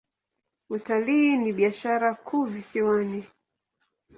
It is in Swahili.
Utalii ni biashara kuu visiwani.